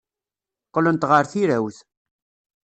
Qqlent ɣer tirawt.